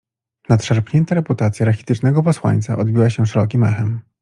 Nadszarpnięta reputacja rachitycznego posłańca odbiła się szerokim echem.